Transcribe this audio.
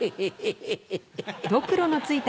ヘヘヘ。